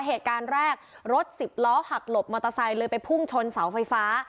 เหตุการณ์แรกรถสิบล้อหักหลบมอเตอร์ไซค์เลยไปพุ่งชนเสาไฟฟ้า